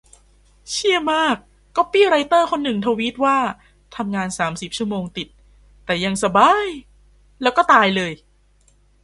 เชี่ยมาก ก๊อปปี้ไรเตอร์คนนึงทวีตว่า 'ทำงานสามสิบชั่วโมงติด แต่ยังสบ๊าย !' แล้วก็ตายเลย